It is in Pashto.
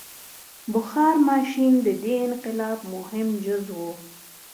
• بخار ماشین د دې انقلاب مهم جز و.